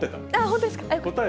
本当ですか？